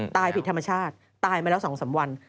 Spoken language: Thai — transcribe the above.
ตายผิดธรรมชาติตายมาแล้ว๒๓วัน